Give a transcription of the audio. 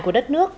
của đất nước